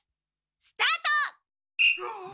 スタート！